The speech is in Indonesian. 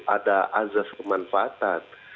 ada azas kemanfaatan